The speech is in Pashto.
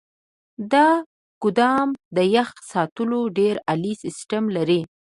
دا ګودام د يخ ساتلو ډیر عالي سیستم لري.